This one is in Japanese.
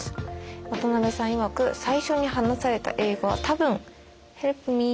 渡邊さんいわく最初に話された英語は多分「ヘルプミー」。